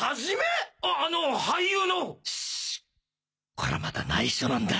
これはまだ内緒なんだ。